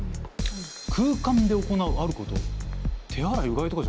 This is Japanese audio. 空間で行うあること？